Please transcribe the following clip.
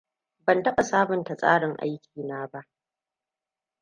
Ban taɓa sabunta tsarin aikina ba.